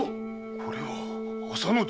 これは浅野殿。